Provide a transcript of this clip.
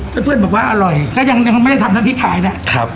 เพื่อนบอกว่าอร่อยก็ยังไม่ได้ทำน้ำพริกขายนะ